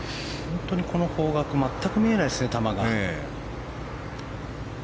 この方角全く見えないですね、球が。